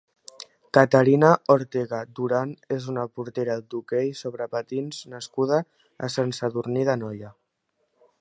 Caterina Ortega Duran és una portera d'hoquei sobre patins nascuda a Sant Sadurní d'Anoia.